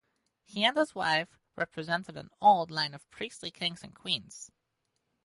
He and his wife represented an old line of priestly kings and queens.